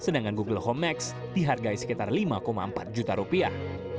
sedangkan google home max dihargai sekitar lima empat juta rupiah